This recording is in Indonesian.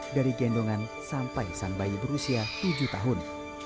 dari gendongan sampai sang bayi berusia tujuh tahun